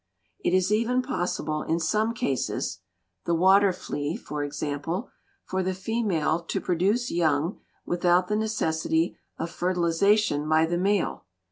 It is even possible in some cases, the water flea, for example, for the female to produce young without the necessity of fertilization by the male.